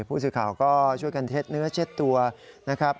ผู้สื่อข่าวก็ช่วยกันเท็จเนื้อเช็ดตัวนะครับ